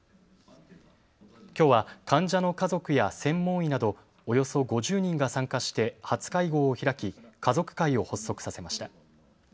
きょうは患者の家族や専門医などおよそ５０人が参加して初会合を開き、家族会を発足させました。